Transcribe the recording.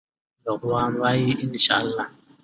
رضوان وویل انشاالله.